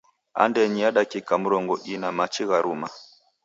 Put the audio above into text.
Andenyi ya dakika mrongo ina machi gharuma.